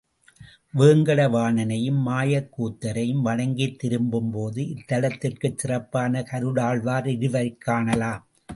வேங்கட வாணனையும் மாயக் கூத்தரையும் வணங்கித் திரும்பும்போது இத்தலத்திற்குச் சிறப்பான கருடாழ்வார் இருவரைக் காணலாம்.